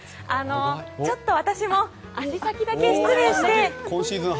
ちょっと私も足先だけ失礼して。